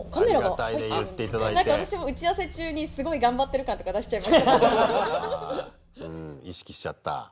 なんか私も打ち合わせ中にすごい頑張ってる感とか出しちゃいました。